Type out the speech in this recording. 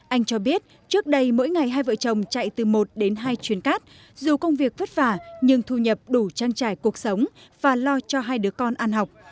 anh cho biết trước đây mỗi ngày hai vợ chồng chạy từ một đến hai chuyến cát dù công việc vất vả nhưng thu nhập đủ trang trải cuộc sống và lo cho hai đứa con ăn học